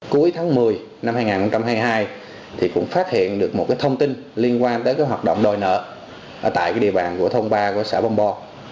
cuối tháng một mươi năm hai nghìn hai mươi hai cũng phát hiện được một thông tin liên quan tới hoạt động đòi nợ tại địa bàn của thôn ba của xã bông bò